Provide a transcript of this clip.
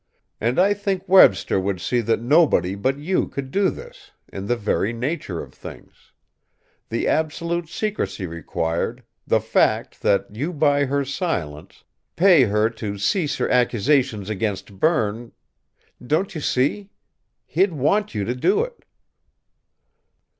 And I think Webster would see that nobody but you could do this in the very nature of things. The absolute secrecy required, the fact that you buy her silence, pay her to cease her accusations against Berne don't you see? He'd want you to do it."